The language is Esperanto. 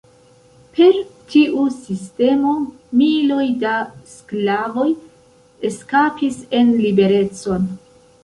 Per tiu sistemo miloj da sklavoj eskapis en liberecon.